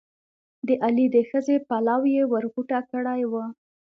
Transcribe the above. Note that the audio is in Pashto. د علي د ښځې پلو یې ور غوټه کړی وو.